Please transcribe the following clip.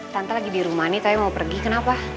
tante lagi di rumah nih tapi mau pergi kenapa